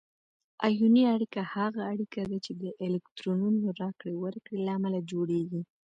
آیوني اړیکه هغه اړیکه ده چې د الکترونونو راکړې ورکړې له امله جوړیږي.